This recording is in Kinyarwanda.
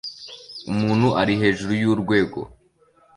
Umuntu ari hejuru yurwego